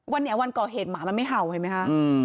วันนี้วันก่อเหตุหมามันไม่เห่าเห็นไหมคะ